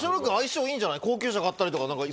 高級車買ったりとか。